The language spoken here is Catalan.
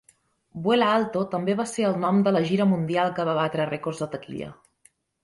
Vuela alto també va ser el nom de la gira mundial que va batre rècords de taquilla.